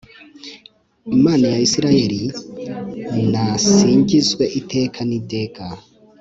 imana ya isirayeli nasingizwe iteka niteka